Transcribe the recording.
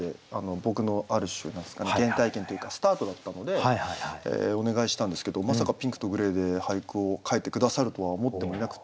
僕のある種原体験というかスタートだったのでお願いしたんですけどまさか「ピンクとグレー」で俳句を書いて下さるとは思ってもいなくて。